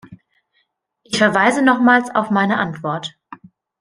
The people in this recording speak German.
Ich verweise nochmals auf meine Antwort.